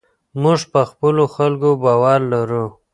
موږ په خپلو خلکو باور لرو.